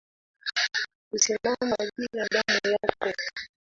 Kusimama bila damu yako